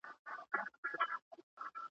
تر هغه وخته به جوړه زموږ دمه سي `